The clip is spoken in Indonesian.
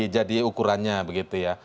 jadi ukurannya begitu ya